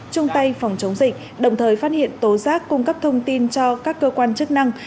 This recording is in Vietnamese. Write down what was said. chung tay phòng chống dịch đồng thời phát hiện tố giác cung cấp thông tin cho các cơ quan chức năng